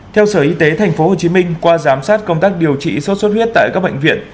theo sở y tế tp hcm qua giám sát công tác điều trị sốt xuất huyết tại các bệnh viện